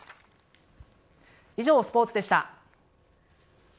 以上、スポーツでした。